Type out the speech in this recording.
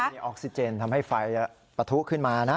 นี่ออกซิเจนทำให้ไฟปะทุขึ้นมานะ